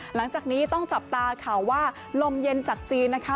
หลังจากนี้ต้องจับตาค่ะว่าลมเย็นจากจีนนะคะ